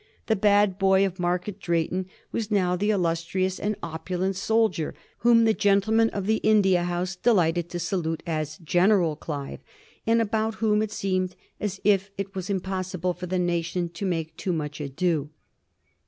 The bad boy of Market Drayton was now the il lustrious and opulent soldier whom the gentlemen of the India House delighted to salute as Ocneral Clive, and about whom it seemed as if it was impossible for the nation to make too much ado.